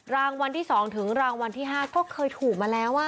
รางวัลที่๒ถึงรางวัลที่๕ก็เคยถูกมาแล้ว